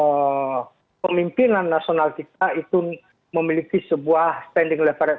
karena pemimpinan nasional kita itu memiliki sebuah standing leverage